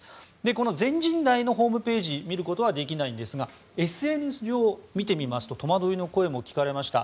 この全人代のホームページを見ることはできないんですがＳＮＳ上を見てみますと戸惑いの声も聞かれました。